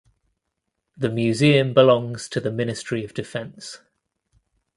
The museum belongs to the Ministry of Defense.